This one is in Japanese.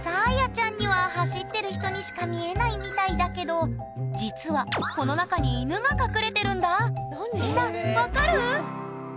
ちゃんには走ってる人にしか見えないみたいだけど実はこの中にみんな分かる？